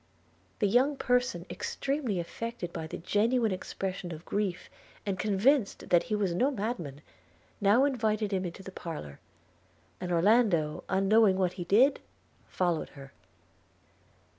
The young person, extremely affected by the genuine expression of grief, and convinced that he was no madman, now invited him into the parlour; and Orlando, unknowing what he did, followed her.